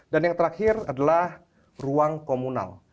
dan yang terakhir adalah ruang komunal